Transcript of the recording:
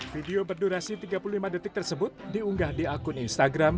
video berdurasi tiga puluh lima detik tersebut diunggah di akun instagram